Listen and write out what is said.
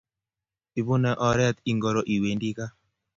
Ipune oret ingoro iwendi kaa?